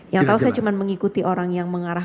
yang tahu saya cuma mengikuti orang yang mengarah